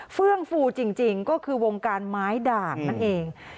เฟื่องฟูจริงก็คือวงการไม้ด่างนั่นเอง